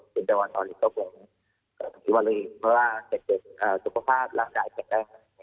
จนจะวันตอนนี้ก็ผมติดวันเลยเพราะว่าสุขภาพราบใหญ่จะได้